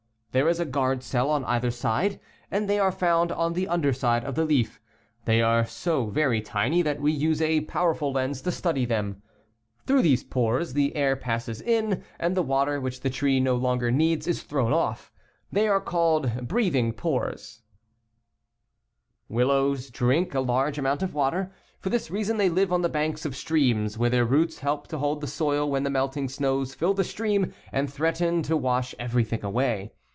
There is a guard cell on either side, and they are found on the un dersideof theleaf. "w^ They are so very tiny that we use a powerful lens to study them. "■ B«BATH,»ti pqke.^ ,n u«[.kb S">e of leaf. Through these pores the air passes in and the water which the tree no longer needs is thrown off. They are called "breathing pores" (Fig. ii). Willows drink a large amount of water. For this reason they live on the banks of streams, where their roots help to hold the soil when the melting snows fill the stream and threaten to wash every thing away.